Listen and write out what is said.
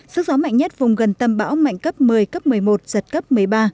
sức gió mạnh nhất vùng gần tâm bão mạnh cấp một mươi cấp một mươi một giật cấp một mươi ba